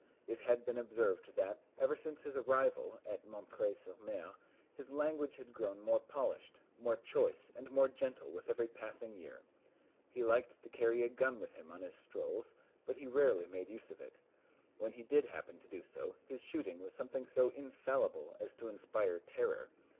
It had been observed that, ever since his arrival at M. sur M., his language had grown more polished, more choice, and more gentle with every passing year. He liked to carry a gun with him on his strolls, but he rarely made use of it. When he did happen to do so, his shooting was something so infallible as to inspire terror.